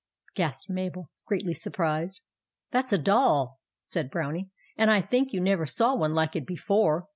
gasped Mabel, greatly surprised. "That s a doll," said the Brownie; "and I think you never saw one like it before.